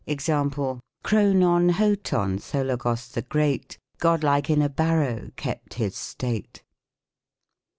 Example :" Chrononhotonthologos the Great, Godlike in a barrow kept his state.